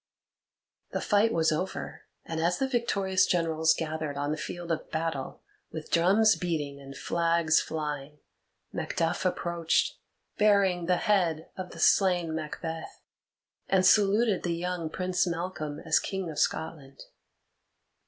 '" [Illustration: "Lay on, Macduff!"] The fight was over, and as the victorious generals gathered on the field of battle, with drums beating and flags flying, Macduff approached, bearing the head of the slain Macbeth, and saluted the young Prince Malcolm as King of Scotland.